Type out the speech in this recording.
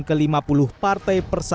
ke lima puluh partai persatu